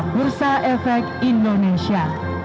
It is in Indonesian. bursa efek indonesia